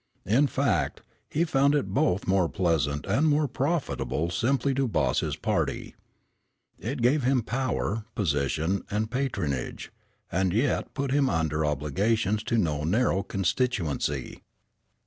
In fact, he found it both more pleasant and more profitable simply to boss his party. It gave him power, position and patronage, and yet put him under obligations to no narrow constituency.